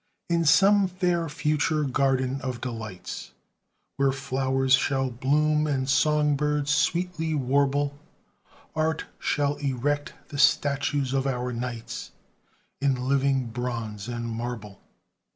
In some fair future garden of delights, Where flowers shall bloom and song birds sweetly warble, Art shall erect the statues of our knights In living bronze and marble.